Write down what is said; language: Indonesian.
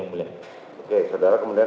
oke saudara kemudian